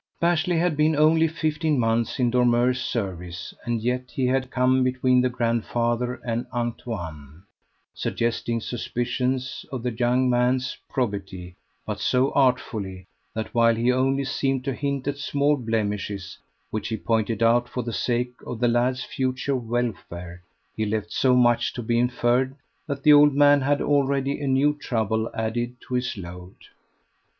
Bashley had been only fifteen months in Dormeur's service, and yet he had come between the grandfather and Antoine, suggesting suspicions of the young man's probity, but so artfully that while he only seemed to hint at small blemishes, which he pointed out for the sake of the lad's future welfare, he left so much to be inferred that the old man had already a new trouble added to his load.